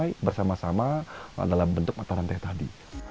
kita bisa berkumpulkan produk yang baik bersama sama dalam bentuk mata rantai tadi